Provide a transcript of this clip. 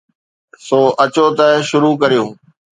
سو اچو ته شروع ڪريون